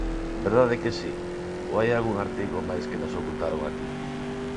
¿Verdade que si?, ¿ou hai algún artigo máis que nos ocultaron aquí?